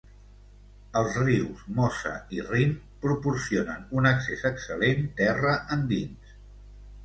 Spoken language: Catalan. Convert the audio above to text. Els rius Mosa i Rin proporcionen un accés excel·lent terra endins.